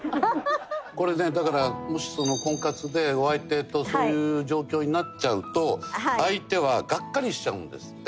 これねだからもし婚活でお相手とそういう状況になっちゃうと相手はがっかりしちゃうんですって。